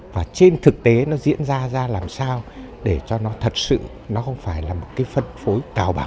và trên thực tế nó diễn ra ra làm sao để cho nó thật sự nó không phải là một phân phối